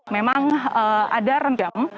memang ada rencam